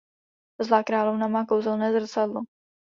Zlá královna má kouzelné zrcadlo.